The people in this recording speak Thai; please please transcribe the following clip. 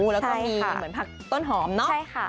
แล้วก็มีเหมือนผักต้นหอมเนอะ